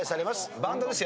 バンドですよ。